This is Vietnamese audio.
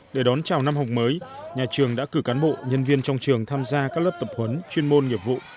để đón chào năm học mới nhà trường đã cử cán bộ nhân viên trong trường tham gia các lớp tập huấn chuyên môn nghiệp vụ